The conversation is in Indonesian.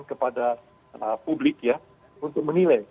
kepada publik ya untuk menilai